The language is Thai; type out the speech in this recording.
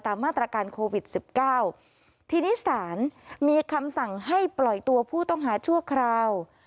มาตรการโควิดสิบเก้าทีนี้ศาลมีคำสั่งให้ปล่อยตัวผู้ต้องหาชั่วคราว